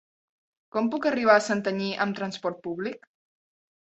Com puc arribar a Santanyí amb transport públic?